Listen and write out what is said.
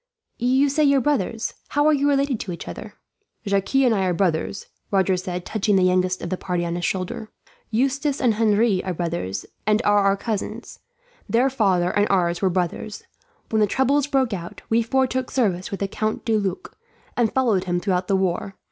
"You say both your fathers. How are you related to each other?" "Jacques and I are brothers," Roger said, touching the youngest of the party on his shoulder. "Eustace and Henri are brothers, and are our cousins. Their father and ours were brothers. When the troubles broke out, we four took service with the Count de Luc, and followed him throughout the war.